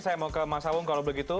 saya mau ke mas awung kalau begitu